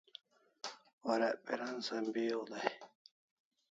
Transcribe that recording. Warek piran sambeaw dai e?